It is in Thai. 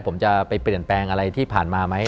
ผมจะไปเปลี่ยนแปลงอะไรที่ผ่านมาไหม